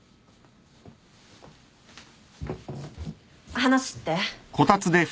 話って？